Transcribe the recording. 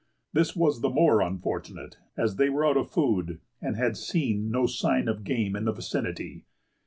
This was the more unfortunate, as they were out of food, and had seen no sign of game in the vicinity.